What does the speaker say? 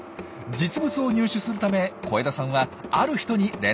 実物を入手するため小枝さんはある人に連絡を取りました。